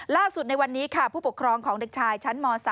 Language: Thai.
ล่าสุดในวันนี้ผู้ปกครองของเด็กชายชั้นม๓